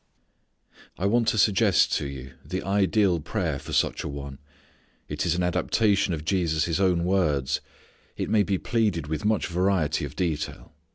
I want to suggest to you the ideal prayer for such a one. It is an adaptation of Jesus' own words. It may be pleaded with much variety of detail.